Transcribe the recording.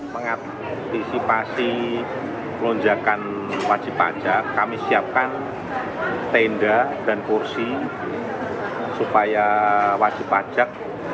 mengantisipasi lonjakan wajib pajak kami siapkan tenda dan kursi supaya wajib pajak